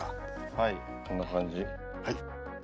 はいこんな感じ。